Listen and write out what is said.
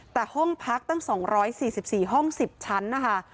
แต่ห้องพักตั้ง๒๔๔ห้อง๑๐ชั้นนะคะ